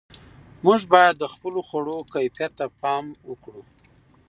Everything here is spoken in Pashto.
موږ باید د خپلو خوړو کیفیت ته پام وکړو.